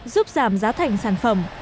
giúp giảm giá thành sản phẩm